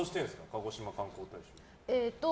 鹿児島観光大使は。